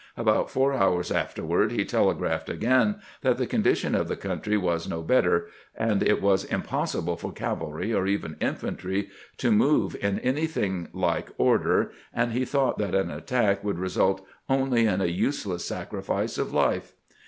About four hours afterward he telegraphed again that th^ condition of the country was no better, and it was impossible for cavalry, or even infantry, to move in anything like order, and he thought that an attack would result only in a useless, sacrifice of life.